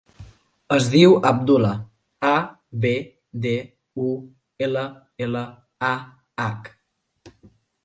Es diu Abdullah: a, be, de, u, ela, ela, a, hac.